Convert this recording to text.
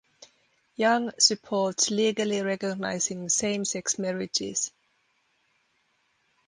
Young supports legally recognizing same-sex marriages.